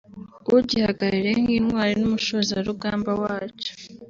ugihagarariye nk’Intwari n’umushozarugamba wacyo